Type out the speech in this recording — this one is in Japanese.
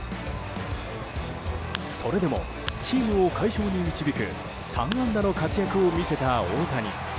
それでもチームを快勝に導く３安打の活躍を見せた大谷。